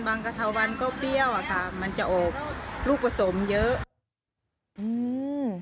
กระเทาวันก็เปรี้ยวอ่ะค่ะมันจะออกลูกผสมเยอะอืม